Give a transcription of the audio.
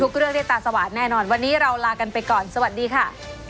เรื่องได้ตาสว่างแน่นอนวันนี้เราลากันไปก่อนสวัสดีค่ะ